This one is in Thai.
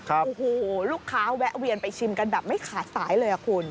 โอ้โหลูกค้าแวะเวียนไปชิมกันแบบไม่ขาดสายเลยอ่ะคุณ